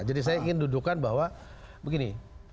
jadi saya ingin dudukan bahwa begini